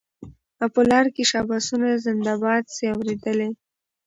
او په لار کي شاباسونه زنده باد سې اورېدلای